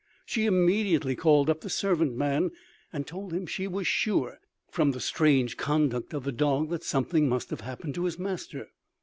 She immediately called up the servant man, and told him she was sure, from the strange conduct of the dog, that something must have happened to his master.